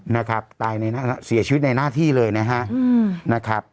นะครับตายในนะฮะเสียชีวิตในหน้าที่เลยนะฮะอืมนะครับ